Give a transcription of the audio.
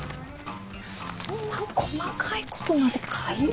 そんな細かいことまで書いて。